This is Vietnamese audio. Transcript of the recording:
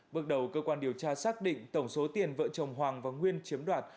bước đầu cơ quan điều tra xác định tổng số tiền vợ chồng hoàng và nguyên chiếm đoạt